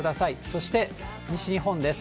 そして西日本です。